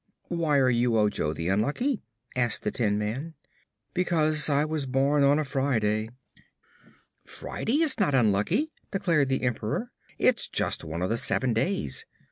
"Why are you Ojo the Unlucky?" asked the tin man. "Because I was born on a Friday." "Friday is not unlucky," declared the Emperor. "It's just one of seven days.